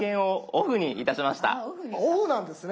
あっオフなんですね。